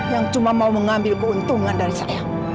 yang cuma mau mengambil keuntungan dari saya